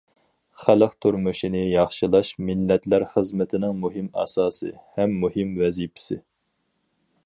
خەلق تۇرمۇشىنى ياخشىلاش مىللەتلەر خىزمىتىنىڭ مۇھىم ئاساسى ھەم مۇھىم ۋەزىپىسى.